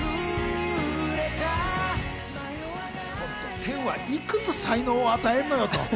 天はいくつ才能を与えるのよと。